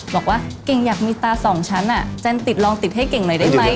บอกว่าเก่งอยากมีตาสองชั้นแจมติดลองติดให้เก่งหน่อยได้ไหม